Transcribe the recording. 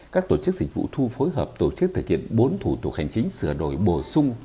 các tổ chức dịch vụ thu phối hợp tổ chức thực hiện bốn thủ tục hành chính sửa đổi bổ sung